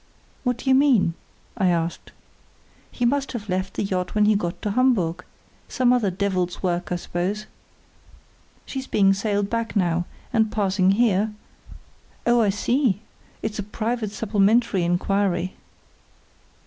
"What do you mean?" I asked. "He must have left the yacht when he got to Hamburg; some other devil's work, I suppose. She's being sailed back now, and passing here——" "Oh, I see! It's a private supplementary inquiry."